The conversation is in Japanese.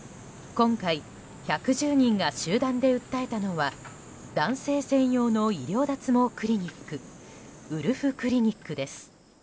今回１１０人が集団で訴えたのは男性専用の医療脱毛クリニックウルフクリニックです。